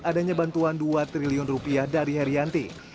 adanya bantuan dua triliun rupiah dari herianti